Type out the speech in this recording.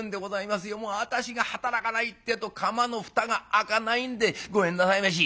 もう私が働かないってえと釜の蓋が開かないんでごめんなさいまし」。